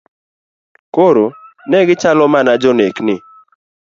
Koro negi chalo mana jonekni.